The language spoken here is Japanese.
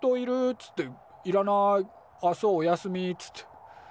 っつって「いらない」「あっそうおやすみ」っつって。